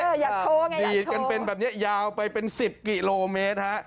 อยากโชว์อยากโชว์ครับดีดกันเป็นแบบนี้ยาวไปเป็น๑๐กิโลเมตร